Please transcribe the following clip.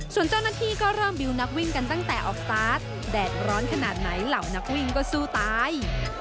ส่วนเจ้าหน้าที่ก็เริ่มบิวนักวิ่งกันตั้งแต่ออกสตาร์ทแดดร้อนขนาดไหนเหล่านักวิ่งก็สู้ตาย